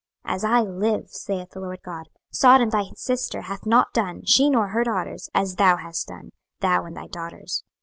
26:016:048 As I live, saith the Lord GOD, Sodom thy sister hath not done, she nor her daughters, as thou hast done, thou and thy daughters.